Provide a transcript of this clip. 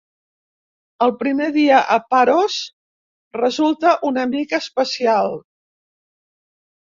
El primer dia a Paros resulta una mica especial.